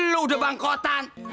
lo udah bangkotan